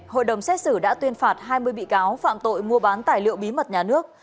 hội đồng xét xử đã tuyên phạt hai mươi bị cáo phạm tội mua bán tài liệu bí mật nhà nước